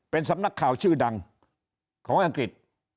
เป็นสำนักข่าวชื่อดังของอังกฤษ